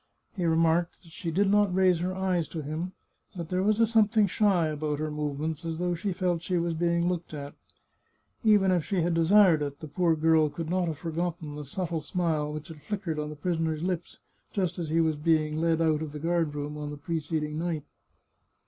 He re marked that she did not raise her eyes to him, but there was a something shy about her movements, as though she felt she was being looked at. Even if she had desired it, the poor girl could not have forgotten the subtle smile which had flickered on the prisoner's lips, just as he was being led out of the guard room on the preceding night.